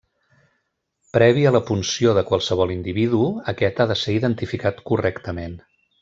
Previ a la punció de qualsevol individu, aquest ha de ser identificat correctament.